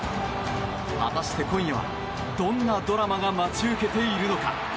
果たして今夜は、どんなドラマが待ち受けているのか。